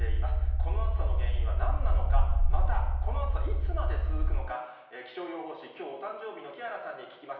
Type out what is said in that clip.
この暑さの原因はなんなのか、また、この暑さ、いつまで続くのか、気象予報士、きょうお誕生日の木原さんに聞きます。